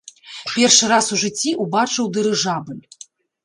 Першы раз у жыцці ўбачыў дырыжабль.